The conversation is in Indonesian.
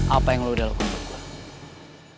apa yang lo udah lakukan buat gue